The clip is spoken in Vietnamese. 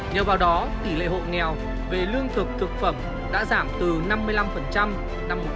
nhờ vào đó tỷ lệ hộ nghèo về lương thực thực phẩm đã giảm từ năm mươi năm năm một nghìn chín trăm chín mươi xuống còn một mươi một ba vào năm hai nghìn